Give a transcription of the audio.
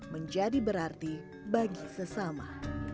menjadi berarti bagi sesama